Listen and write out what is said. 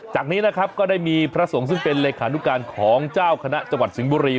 จากนี้นะครับก็ได้มีพระสงฆ์ซึ่งเป็นเลขานุการของเจ้าคณะจังหวัดสิงห์บุรี